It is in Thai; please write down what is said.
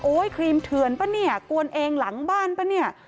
ครีมเถื่อนปะเนี่ยกวนเองหลังบ้านป่ะเนี่ย